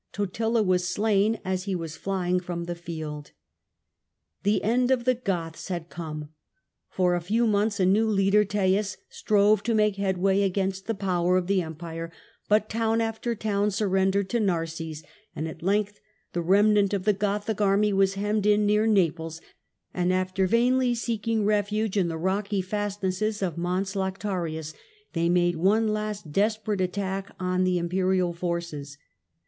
Totila was slain as he was flying from the field. The end of The end of the Goths had come. For a few months 553 ' a new leader, Teias, strove to make headway against the power of the Empire, but town after town sur rendered to Narses, and at length the remnant of the Gothic army was hemmed in near Naples, and after vainly seeking refuge in the rocky fastnesses of Mons Lactarius they made one last desperate attack on the Imperial forces.